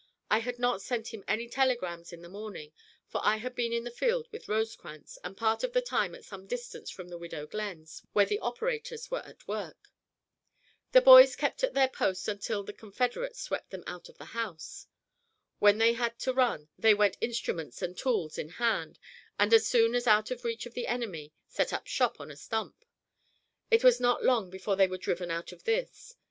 I had not sent him any telegrams in the morning, for I had been in the field with Rosecrans, and part of the time at some distance from the Widow Glenn's, where the operators were at work. The boys kept at their post there until the Confederates swept them out of the house. When they had to run, they went instruments and tools in hand, and as soon as out of reach of the enemy set up shop on a stump. It was not long before they were driven out of this.